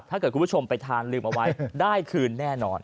ถ้าเกิดคุณผู้ชมไปทานลืมเอาไว้ได้คืนแน่นอน